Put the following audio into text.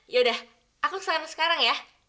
yaudah aku sampai sekarang ya